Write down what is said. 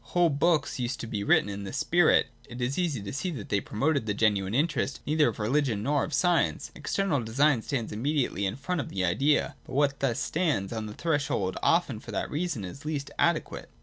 Whole books used to be written in this spirit. It is easy to see that they promoted the genuine interest neither of religion nor of science. External design stands immediately in front of the idea : but what thus stands on the threshold often for that reason is least ade quate. 206.